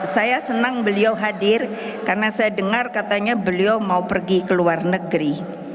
saya senang beliau hadir karena saya dengar katanya beliau mau pergi ke luar negeri